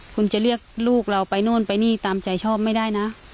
คุณจะเรียกลูกเราไปโน่นไปนี่ตามใจชอบไม่ได้นะ